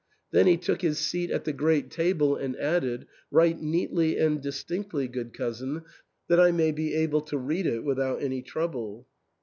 Then he took his seat at the great table and added, "Write neatly and distinctly, good cousin, that I may be able to read it without any trouble."